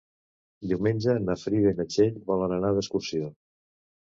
Diumenge na Frida i na Txell volen anar d'excursió.